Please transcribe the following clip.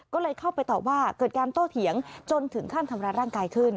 ก็เลยเข้าไปตอบว่าเกิดการโต้เถียงจนถึงขั้นทำร้ายร่างกายขึ้น